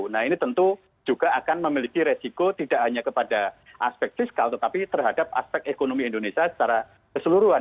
nah ini tentu juga akan memiliki resiko tidak hanya kepada aspek fiskal tetapi terhadap aspek ekonomi indonesia secara keseluruhan